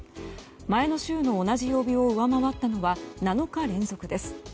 前の週の同じ曜日を上回ったのは７日連続です。